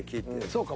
そうか。